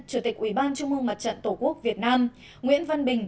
chủ tịch ủy ban trung ương mặt trận tổ quốc việt nam nguyễn văn bình